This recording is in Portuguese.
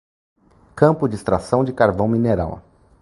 Campo de extração de carvão mineral